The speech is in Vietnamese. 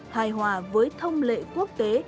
hài hòa với thông lệ quốc tế